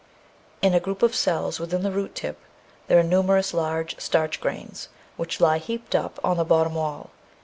In a group of cells within the root tip there are numerous large starch grains which lie heaped up on the bottom wall.